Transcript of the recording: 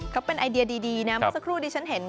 เขาเป็นไอเดียดีนะเมื่อสักครู่ดิฉันเห็น